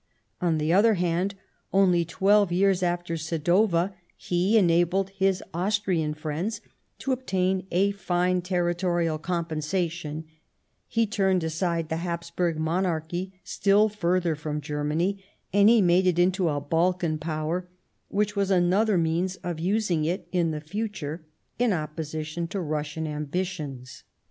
On the other hand, only twelve years after Sadowa, he enabled his Austrian friends to obtain a fine territorial compensation ; he turned aside the Haps burg Monarchy still further from Germany ; and he made it into a Balkan Power, which was another means of using it in the future in opposition to Russian ambitions.